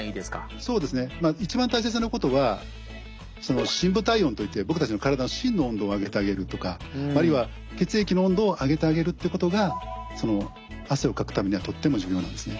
１番大切なことは深部体温といって僕たちの体の芯の温度を上げてあげるとかあるいは血液の温度を上げてあげるっていうことが汗をかくためにはとっても重要なんですね。